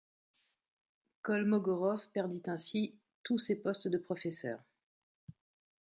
Kolmogorov perdit ainsi tous ses postes de professeur.